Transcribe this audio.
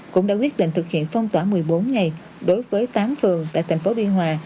cũng đã quyết định thực hiện phong tỏa một mươi bốn ngày đối với tám phường tại thành phố biên hòa